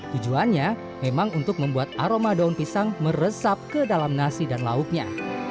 tujuannya memang untuk membuat aroma daun pisang meresap ke dalam nasi dan lauknya